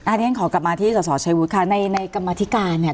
อ่านี่เองขอกลับมาที่ศชายวูทคะในในกรรมาธิการเนี้ย